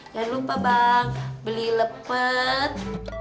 jangan lupa bang beli lepet